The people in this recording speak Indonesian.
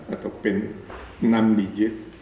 atau pin enam digit